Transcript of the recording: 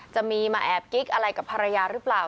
จะมีมาแอบกิ๊กอะไรกับภรรยาหรือเปล่า